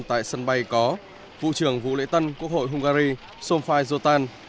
tại sân bay có vụ trưởng vũ lễ tân quốc hội hungary somfaj zotan